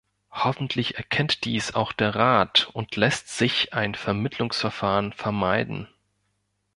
Hoffentlich erkennt dies auch der Rat und lässt sich ein Vermittlungsverfahren vermeiden.